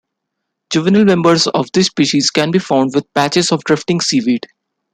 Juvenile members of this species can be found with patches of drifting seaweed.